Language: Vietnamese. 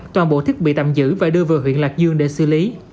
toàn bộ thiết bị tạm giữ và đưa về huyện lạc dương để xử lý